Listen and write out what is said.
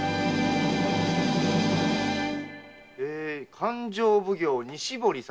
勘定奉行西堀様。